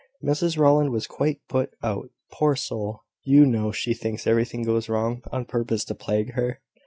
"Mrs Rowland was quite put out, poor soul! You know she thinks everything goes wrong, on purpose to plague her."